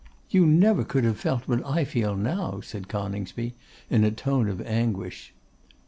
'You never could have felt what I feel now,' said Coningsby, in a tone of anguish.